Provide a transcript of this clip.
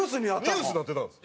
ニュースになってたんです。